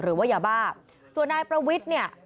หรือว่ายาบ้าส่วนนายประวิทย์เนี่ย